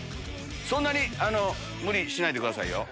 そんなに無理しないでくださいよ。